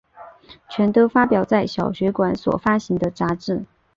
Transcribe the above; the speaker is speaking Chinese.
全部都发表在小学馆所发行的杂志。